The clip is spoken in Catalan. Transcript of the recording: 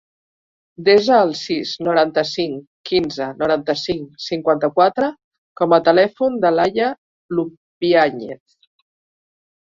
Desa el sis, noranta-cinc, quinze, noranta-cinc, cinquanta-quatre com a telèfon de l'Aya Lupiañez.